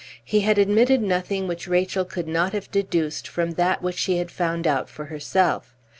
He had admitted nothing which Rachel could not have deduced from that which she had found out for herself.